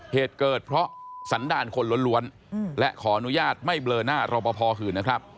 เหตุเกิดเพราะสันดาลคนล้วนและขออนุญาตไม่เบลอหน้ารอปภหื่นนะครับ